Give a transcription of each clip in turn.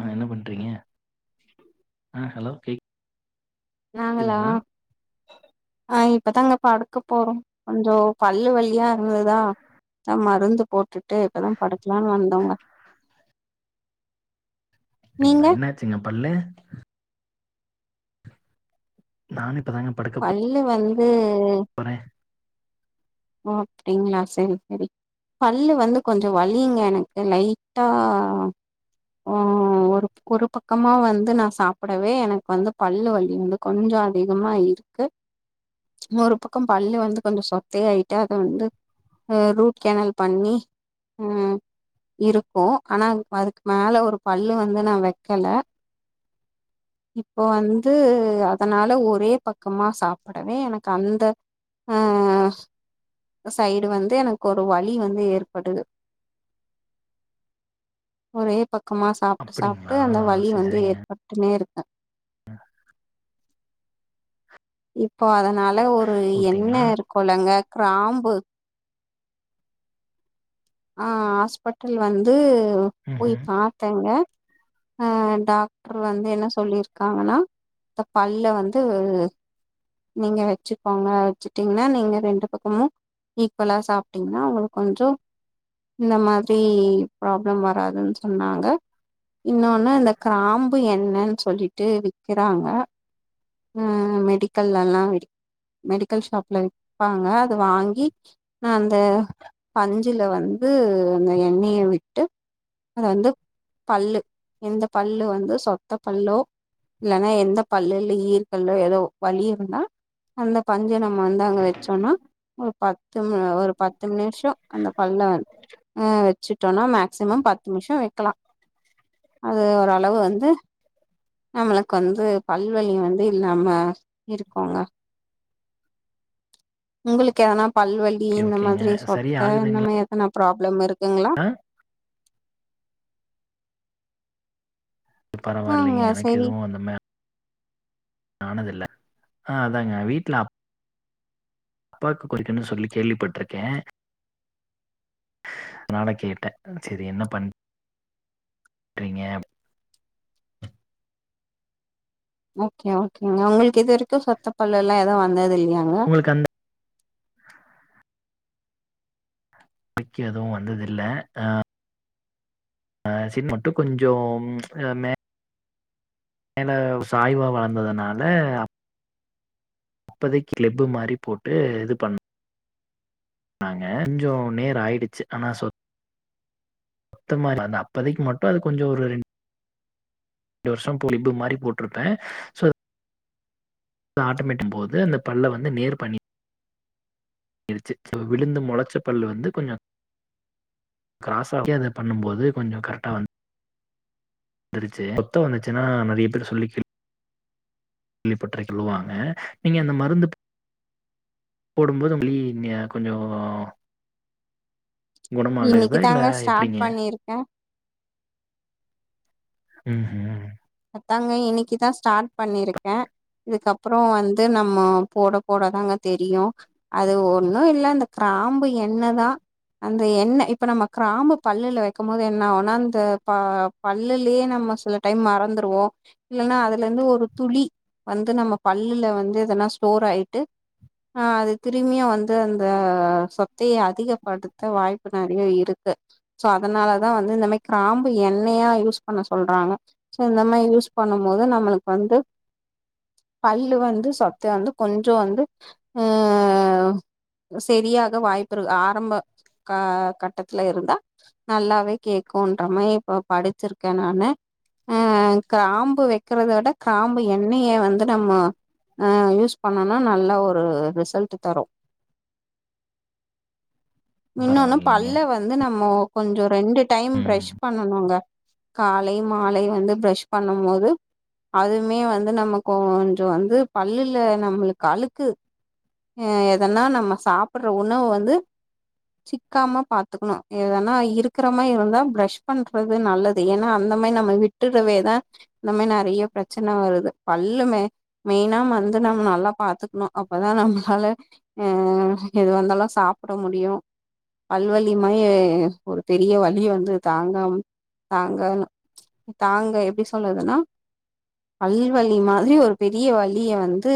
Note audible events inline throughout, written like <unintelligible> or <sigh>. ஆ என்ன பண்றீங்க ஆ ஹலோ நாங்களா கேக்குதுங்களா? ஆ இப்பதாங்க படுக்க போறோ கொஞ்சோ பல்லு வலியா இருந்ததா தா மருந்து போட் டு இப்பதா படுக்கலான்னு வந்தோங்க நீங்க அப்டிங்களா என்னாச்சுங்க பல்லு நானுப் பள்ளு வந்து போறேன். ஓ அப்டிங்களா செரி செரி பல்லு வந்து கொஞ்சோ வலிங்க எனக்கு லைட்டா ஓ ஒர் ஒரு பக்கமா வந்து நா சாப்டவே எனக்கு வந்து பல்லு வலி வந்து கொஞ்சோ அதிகமா இருக்கு ஒரு பக்கொம் பள்ளு வந்து கொஞ்சோ சொத்தையாட் டங்க வந்து ஆ ரூட் கேனல் பண்ணி உம் இருக்கு ஆனா துக் அதுக் மேல ஒரு பல்லு வந்து நா வைக்கல இப்போ வந்து அதனால ஒரே பக்கமா சாப்டவே எனக்கு அந்த ஆ ஆ சைடு வந்து எனக்கு ஒரு வலி வந்து ஏற்படுது ஒரே பக்கமா சாப்ட்டு சாப்ட்டு அப்டிங்களா? அந்த வலி சரி வந்து சரிங்க. ஏற்பட்ன்னே இருக்கு இப்போ அதனால ஒரு எண்ண ஓகேங்களா? இருக்குலங்க கிராம்பு ஆ ஹாஸ்பிட்டல் வந்து போய் ம்ஹ்ம். பாத்தேங்க ஆ டாக்டர் வந்து என்ன சொல்லியிருக்காங்கன்னா இந்த பல்ல வந்து நீங்க வச்சுக்கோங்க வச்சுட்டீங்கன்னா நீங்க ரெண்டு பக்கமு ஈக்குவலா சாப்ட்டீங்கன்னா உங்களுக்கு கொஞ்சோ இந்த மாரி பிராப்ளம் வராதுன்னு சொன்னாங்க இன்னொன்னு இந்த காம்பு எண்ணனு சொல்லிட்டு விக்கிறாங்க உம் மெடிக்கல்லல்லா விக் மெடிக்கல் ஷாப்ல விப்பாங்க அது வாங்கி அந்த பஞ்சுல வந்து து அந்த எண்ணெய விட்டு அத வந்து பல்லு எந்த பல்லு வந்து சொத்த பல்லோ இல்லன்னா எந்த பல்லுல்ல ஈற்கல்ல ஏதோ வலி இருந்தா அந்த பஞ்ச நம்ம வந்து அங்க வச்சோனா ஒரு பத்து ம் ஒரு பத்து நிம்ஷோ அந்த பல்லன் ஆ வச்சுட்டோனா மேக்சிமம் பத்து நிம்ஷோ வைக்கலா அது ஓரளவு வந்து நம்மளுக்கு வந்து பல்வலி வந்து இல்லாம இருக்கோங்க உங்களுக்கு ஏதனா பல்வலி ஓகே இந்த ஓகேங்க. மாதிரி சரி சொத்த இந்த ஆகுதுங்களா? என்மே எத்தனா பிராப்ளம் இருக் குங்களா ஆங்க பரவாயில்லைங்க எனக்கு சரி எதுவு அந்த மா ஆனதில்ல அ அதாங்க வீட்ல அப் அப்பாக்கு புடிக்குனு சொல்லி கேள்விப்பட்ருக்கே அதனால கேட்டே சரி என்ன பண் பண்றிங்க ஓகே ஓகேங்க உங்ளுக்கு இதுவரைக்கு சொத்த பல் எல்லா எதா வந்ததில் யாங்க உங்களுக்கு அந்த க்கி எதுவு வந்ததில்ல அ அ சின் மட்டு கொஞ்சொ மே மேல சாய்வா வளந்ததுனால அப்பதைக் கிளிப்பு மாரி போட்டு இது பண் ணாங்க கொஞ்ச நேர் ஆயிடுச்சு ஆனா சொத் த மாரி அந்த அப்பதைக்கு மட்டு அது கொஞ்ச ஒரு ரெண் டு வருஷ ப்லிப்பு மாரி போட்ருப்ப சோ து ஆட்டமேட்டும் போது அந்த பல்ல வந்து நேர் பண்ணி ச்சு விழுந்து மொளச்ச பல்லு வந்து கொஞ்ச கிராஸாக்கி அத பண்ணும்போது கொஞ்ச கரெக்டா வந் துருச்சு சொத்த வந்துச்சுனா நறைய பேர் சொல்லி கேள் விப்பட்ருக்லுவாங்க நீங்க அந்த மருந்து போடும்போது நீங்க கொஞ்ச இன்னைக்கு தாங்க ஸ்டார்ட் எப்டிங்க பண்ணிருக்க ம் ஹூ அதாங்க இன்னைக்குதா ஸ்டார்ட் பண்ணிருக்க இதுக்கப்புற வந்து நம்ம போட போடதாங்க தெரியு அது ஒன்னு இல்ல அந்த க்ரா ம்பு எண்ணெ தா அந்த எண்ணெ இப்ப நம்ம க்ராம்பு பல்லுல வெக்கம்போது என்ன ஆவுனா அந்த ப பல்லுலயே நம் ம சில டைம் மறந்து ருவோ இல்லனா அதுல இருந்து ஒரு துளி வந்து நம்ம பல்லுல வந்து இதெல்லா ஸ்டோர் ஆயிட்டு ஆ அது திரும்பியு வந்து அந்த சொத்தைய அதிகப்படுத்த வாய்ப்பு நெறைய இருக்கு சோ அதனாலதா வந்து இந்த மாரி க்ராம்பு எண்ணெயா யூஸ் பண்ண சொல்றாங்க இந்த மாரி யூஸ் பண்ணும் போது நம்மளுக்கு வந்து பல்லு வந்து சொத்தையானது கொஞ்ச வந்து அ சரியாக வாய்ப்பு இரு ஆரம்ப க கட்டத்துல இருந்தா நல்லாவே கேக்குன்ற மாரி இப்ப படிச்சிருக்கே நானு அ அ க்ராம்பு வெக்கிறத வுட க்ராம்பு எண்ணெய வந்து நம்ம அ யூஸ் பண்ணனா நல்லா ஒரு ரிசல்ட் தரு இன்னோனு பரவாயில்லைங்க பல்ல வந்து நம்மொ கொஞ்ச ரெண்டு டைம் ம் ப்ரஷ் பண்ணனுங்க காலை மாலை வந்து ப்ரஷ் பண்ணும் போது அதுமே வந்து நமக் கொஞ்ச வந்து பல்லுல நம்மளுக்கு அழுக்கு அ எதனா நம்ம சாப்பிடுற உணவு வந்து சிக்காம பாத்துக்கணு எதனா இருக்கற மாரி இருந்தா ப்ரெஷ் பண்றது நல்லது ஏனா அந் த மாயி நம்ம விட்டுறவேதா இந்த மாயி நறைய பிரச்சன வருது பல்லு மெ மெய்னா வந்து நம்ம நல்லா பாத்துக்கணு அப்பதா நம்மளால அ எது வந்தாலு சாப்பட முடியு பல்வலி மாயி ஒரு பெரிய வலிய வந்து தாங்காம தாங்கவனா தாங்க எப்படி சொல்றதுனா பல் வலி மாதிரி ஒரு பெரிய வலிய வந்து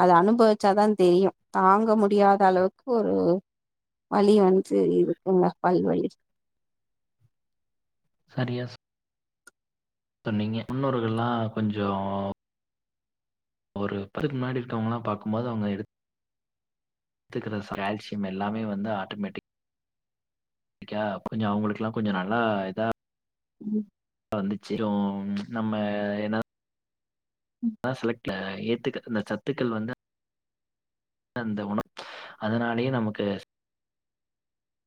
அத அனுபவிச்சாதா தெரியு தாங்க முடியாத அளவுக்கு ஒரு வலி வந்து இருக்குங்க பல் வலி சரியா சொ சொன்னிங்க முன்னோர்கல்லா கொஞ்ச ஒரு ப்பதுக்கு முன்னாடி இருக்கவங்கலா பாக்கும்போது அவங்க எடு எத்துக்கற கால்சியம் எல்லாமே வந்து ஆட்டோமேட்டிக் க்கா கொஞ்ச அவங்களுக்கெல்லா கொஞ்ச நல்லா இதா வந்துச்சிரு நம்ம என்னதா செலக்ட் கில ஏத்துக்க இந்த சத்துக்கள் வந்து அந்த உணவ் அதனாலேயே நமக்கு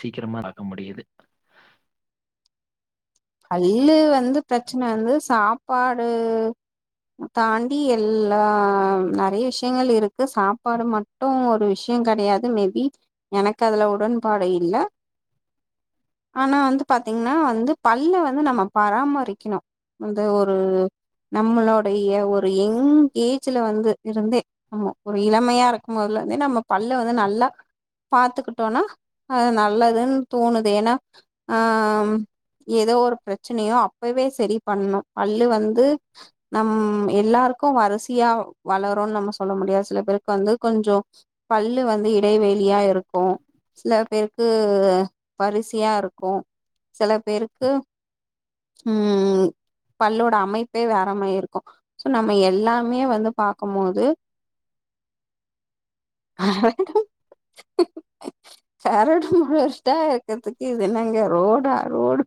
சீக்கிரமா தாக்க முடியுது பல்லு வந்து பிரச்சன வந்து சாப்பாடு தாண்டி எல்லா நெறைய விஷயங்கள் இருக்கு சாப்பாடு மட்டு ஒரு விஷ்யோ ம் கெடையாது மேபி எனக்கு அதுல உடன்பாடு இல்ல ஆனா வந்து பாத்தீங்கன்னா வந்து பல்லு வந்து நம்ம பராமரிக்கணு வந்து ஒரு நம்மளுடைய ஒரு எங் ஏஜ்ல வந்து இருந்தே நம்ம ஒரு இளமையா இருக்கு போதுல வந்து நம்ம பல்ல வந்து நல்லா பாத்துக்கிட்டோன்னா அது நல்லதுன்னு தோணுது ஏன்னா அ ஏதோ ஒரு பிரச்சனையோ அப்பவே செரி பண்ணு பல்லு வந்து நம் எல்லாருக்கு கும் வரிசையா வளரும்னு நம்ம சொல்ல முடியாது சில பேருக்கு வந்து கொஞ்சோ பல்லு வந்து இடைவே ளியா இருக்கு சில பேருக்கு வரிசையா இருக்கு சில பேருக்கு க்கு ம் பல்லோட அமைப்பே வேறமேரி இருக்கு சோ நம்ம எல்லாமே வந்து பாக்கும் போது ஹ கரடு மொரடா இருக்குறதுக்கு இது என்னங்க ரோடா ரோடு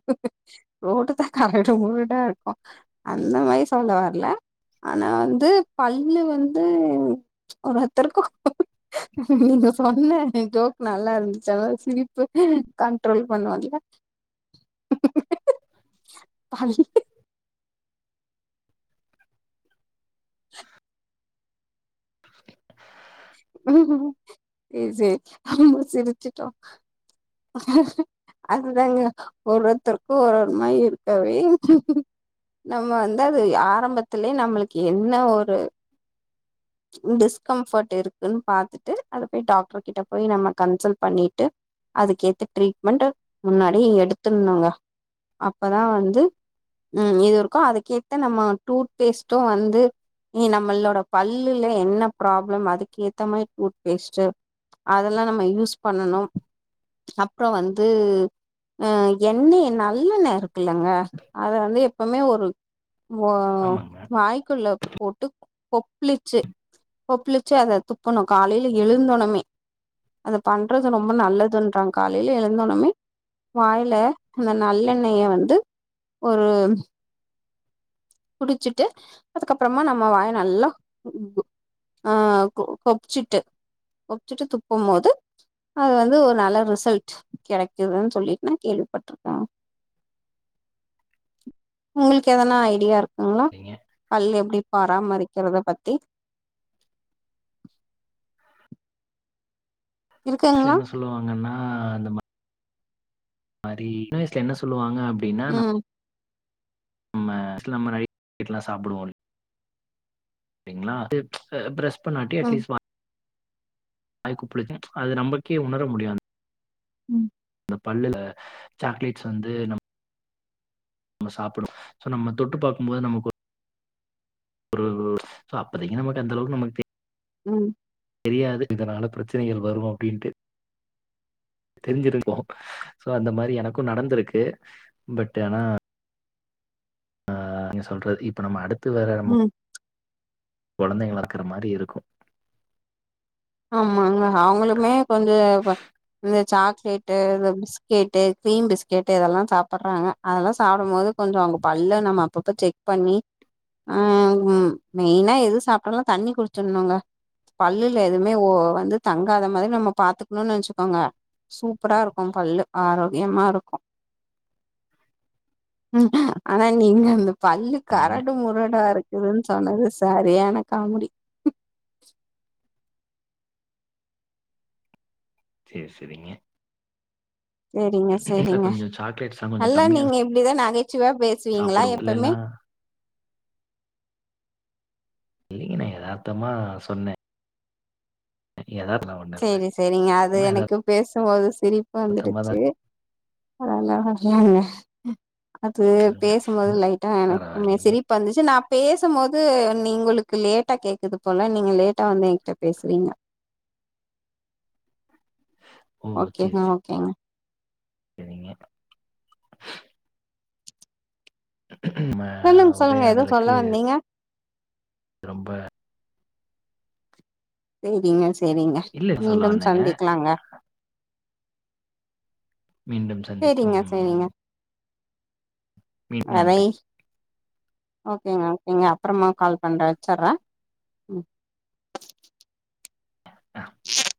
ரோட்டு தா கரடு முரடா இருக்கு அந்த மாரி சொல்ல வர்ல ஆனா வந்து பல்லு வந்து ஒவ்வெருதர்க்கு நீங்க சொன்ன ஜோக் நல்லா இருந்துச்சி அதனால சிரிப்பு கண்ட்ரோல் பண்ண முட்ல பல்லு ம் சேரி சேரி நம்ம சிரிச்சுட்டோ அதுதாங்க ஒருத்தருக்கு ஒரு ஒரு மாரி இருக்கவே நம்ம வந்து அது ஆரம்பத்துலயே‌ நம்மளுக்கு என்ன ஒரு <inaudible> டிஸ்கம்ஃபர்ட் இருக்குன்னு பாத்துட்டு அத போய் டாக்டர் கிட்ட போய் நம்ம கன்சல்ட் பண்ணிட்டு அதுக்கேத்து ட்ரீட்மெண்ட் முன்னாடி எடுத்துணுங்க அப்பதா வந்து ம் இது இருக்கு அதுக்கேத்த நம்ம டூத்பேஸ்ட்டும் வந்து நம்மளோட பல்லுல என்ன ப்ராப்ளம் அதுக்கு ஏத்த மாரி டூத்பேஸ்ட்டு அதெல்லா நம்ம யூஸ் பண்ணணு அப்புறோ வந்து அ எண்ண நல்லெண்ண இருக்குல்லங்க அத வந்து எப்பவுமே ஒரு ஆமாங்க. வாய்குள்ள போட் கொப்புளிச்சு கொப்புளிச்சு அத துப்புணு காலையில எழுந்தணுமே அது பண்றது ரொம்ப நல்லது ன்றாங்க காலையில எழுந்தோனுமே வாயில அந்த நல்லெண்ணெய வந்து ஒரு குடிச்சுட்டு அதுக்கப்புறமா நம்ம வாய நல்லா அ கொப்ச்சிட்டு கொப்ச்சிட்டு துப்பும் போது அது வந்து ஒரு நல்ல ரிசல்ட் கெடைக்குதுன்னு சொல்லிட்டு நா கேள்விப்பட்டிருக்கே உங்களுக்கு எதனா ஐடியா இருக்குங்களா சரிங்க. பல் எப்டி பராமரிக்கிறத பத்தி வயசுல இருக்குங்களா என்ன சொல்லுவாங்கன்னா அந்த மாரி சின்னவயசுல என்ன சொல்லுவாங்க அப்டின்னா நா ம் நம்ம நெறைய சுவிட்டெல்லா சாப்பிவோ பாத்தீங்களா அது ப்ரஸ் பண்ணாட்டி ம் அட்லீஸ்ட் வாய் வாய்க்கொப்பிளிக்கு அது நமக்கே உணர முடியாது ம் பல்லுல சாக்லேட்ஸ் வந்து நம் நம்ம சாப்பிடு சோ நம்ம தொட்டு பாக்கும் போது நமக்கு ஒரு அப்பதைக்கு நமக்கு அந்த அளவுக்கு நமக்கு தெரி ம் தெரியாது இதனால பிரச்சனைகள் வரு அப்டின்ட்டு தெரிஞ்சிருக்கோ சோ அந்த மாரி எனக்கு நடந்திருக்கு பட் ஆனா அ நீங்க சொல்றது இப்ப நம்ம அடுத்து வேற நம்மோ ம் கொழந்தைங்களக்கற மாரி இருக்கு ஆமாங்க அவங்களுமே கொஞ்சோ சாக்லேட்டு இது பிஸ்கெட்டு க்ரீம் பிஸ்கெட்டு் இதெல்லா சாப்ற்றாங்க அதெல்லா சாப்பிடு போது கொஞ்சோ அவுங்க பல்ல நம்ம அப்பப்ப செக் பண்ணி ம் மெயினா எது சாப்ட்டாலு தண்ணி குடிச்சிணுங்க பல்லுல எதுவுமே ஓ வந்து தங்காத மாரி நம்ம பாத்துக்கணுனு வெச்சுகோங்க சூப்பரா இருக்கு பல்லு ஆரோக்கியமா இருக்கு ஆனா நீங்க அந்த பல்லு சொன்னீங்க கரடு முரடா இருக்கு குதுனு சொன்னது சரியான காமேடி சேர் சேரிங்க செரிங்க செரிங்க சாக்லேட்ஸ்லா கொஞ்சோ நல்லா கம்மியா நீங்க இப்டிதா நகை சுவையா பேசுவீங்களா சாப்பிடுவோ எப்பமே இல்லைன்னா இல்லிங்க நா எதார்த்தமா சொன்ன செரி செரிங்க அது சும்மா எனக்கு பேசும்போது சிரிப்பா எதார்த்தமா வந்துடுச்சு தான் <unintelligible> அது சொன்னேங்க. பேசும்போது லைட்டா எனக்குமே பரவாயில்லைங்க. சிரிப்பு வந்துச்சு நா பேசும்போது நீ உங்ளுக்கு லேட்டா கேக்குது போல நீங்க லேட்டா வந்து என்கிட்ட பேசுறீங்க <inaudible> ஓகேங்க ஓகேங்க செரிங்க சொல்லுங் சொல்லுங்க எதோ உரையாடலுக்கு சொல்ல வந்தீங்க ரொம்ப செரிங்க செரிங்க இல்ல சொல்ல மீண்டும் வந்தேங்க. சந்திக்கலாங்க மீண்டும் சேரிங்க சந்திக்கும் சேரிங்க <unintelligible> அதை நன்றி ஓகேங்க ஓகேங்க அப்றமா கால் பண்ற வெச்சர்ற ம் <inaudible> <inaudible>